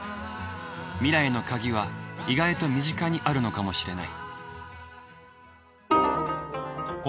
未来のカギは意外と身近にあるのかもしれない。